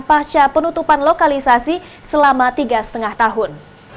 pasca penutupan lokalisasi selama tiga lima tahun